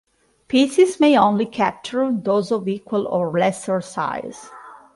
Pieces may only capture those of equal or lesser size.